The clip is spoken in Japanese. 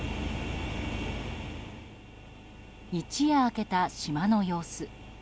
一夜明けた島の様子。